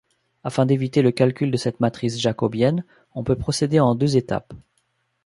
Afin d'éviter le calcul de cette matrice jacobienne, on peut procéder en deux étapes.